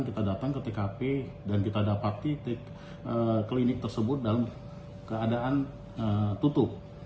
kita datang ke tkp dan kita dapati klinik tersebut dalam keadaan tutup